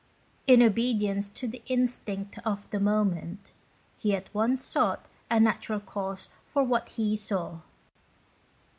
In obedience to the instinct of the moment, he at once sought a natural cause for what he saw.